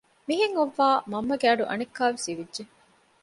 މިހެން އޮއްވާ މަންމަގެ އަޑު އަނެއްކާވެސް އިވިއްޖެ